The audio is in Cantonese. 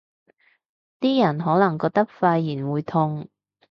啲人可能覺得肺炎會痛